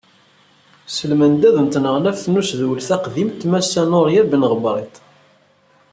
S lmendad n Tneɣlaft n Usedwel taqdimt Massa Nurya Ben Ɣebriṭ.